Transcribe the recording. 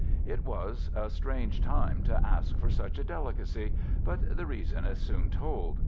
It was a strange time to ask for such a delicacy, but the reason is soon told.